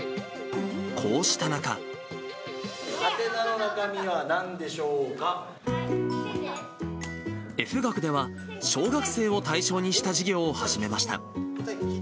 はてなの中身はなんでしょうＦ学では、小学生を対象にした事業を始めました。